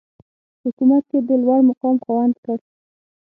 په حکومت کې د لوړمقام خاوند کړ.